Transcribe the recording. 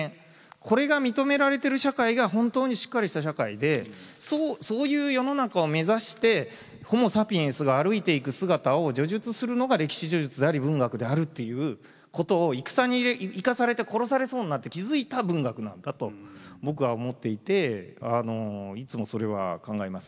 これが認められてる社会が本当にしっかりした社会でそういう世の中を目指してホモサピエンスが歩いていく姿を叙述するのが歴史叙述であり文学であるっていうことを戦に行かされて殺されそうになって気付いた文学なんだと僕は思っていていつもそれは考えます。